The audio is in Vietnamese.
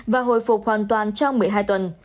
và hồi phục hoàn toàn trong một mươi hai tuần